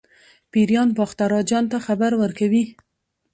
پیریان باختر اجان ته خبر ورکوي.